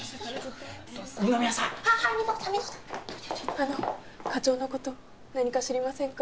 あの課長のこと何か知りませんか？